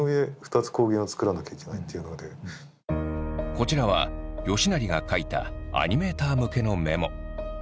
こちらは吉成が書いたアニメーター向けのメモ。